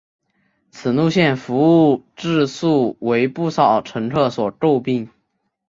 此路线服务质素为不少乘客所诟病。